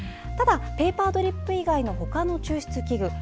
ただ、ペーパードリップ以外のほかの抽出器具